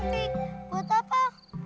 ini yang di buat apa